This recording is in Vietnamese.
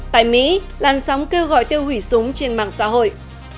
tại mỹ lan sóng kêu gọi tiêu hủy súng trên mạng xã hội